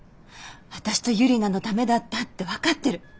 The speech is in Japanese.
私とユリナのためだったって分かってる。